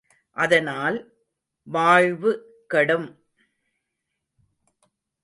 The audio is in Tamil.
அதனால், வாழ்வு கெடும்!